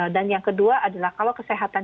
dan yang kedua adalah kalau kesehatan